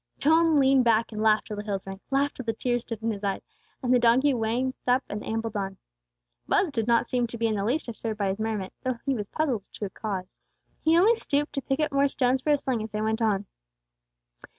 Joel leaned back and laughed till the hills rang, laughed till the tears stood in his eyes, and the donkey waked up and ambled on. Buz did not seem to be in the least disturbed by his merriment, although he was puzzled as to its cause. He only stooped to pick up more stones for his sling as they went on.